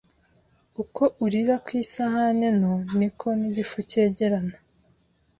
uko urira ku isahani nto ni ko nigifu cyegerana